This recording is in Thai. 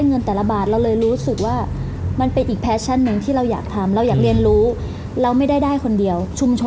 เงินเดียวกับหนึ่งที่เราอยากทำเราอยากเรียนรู้เราไม่ได้ได้คนเดียวชุมชนได้